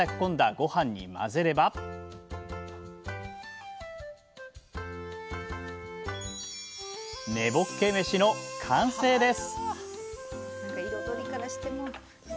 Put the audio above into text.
ごはんに混ぜれば根ぼっけ飯の完成です！